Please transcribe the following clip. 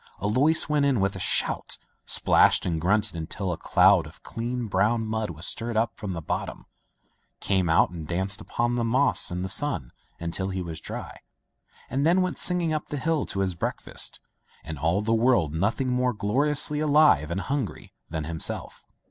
Alois went in with a shout, splashed and grunted until a cloud of clean brown mud was stirred up from the bottom, came out and danced upon the moss in the sun until he was dry, and then went singing up the hill to his breakfast, in all the world nothing more gloriously alive and hungry than himself.